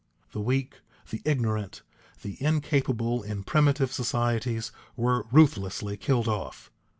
The weak, the ignorant, the incapable in primitive societies were ruthlessly killed off.